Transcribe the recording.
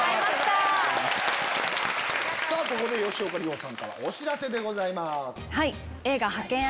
ここで吉岡里帆さんからお知らせでございます。